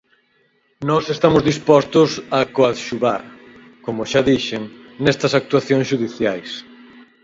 Nós estamos dispostos a coadxuvar, como xa dixen, nesas actuacións xudiciais.